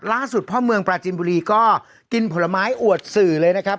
พ่อเมืองปราจินบุรีก็กินผลไม้อวดสื่อเลยนะครับ